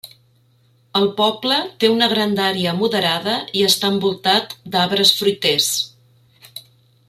El poble té una grandària moderada i està envoltat d'arbres fruiters.